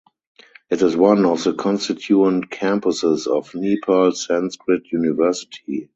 It is one of the constituent campuses of Nepal Sanskrit University.